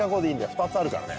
２つあるからね。